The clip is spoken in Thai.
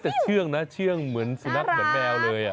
แต่เชื่องนะเชื่องเหมือนสุนัขเหมือนแมวเลย